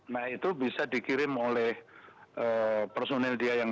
nah itu bisa dikirim oleh personil dia yang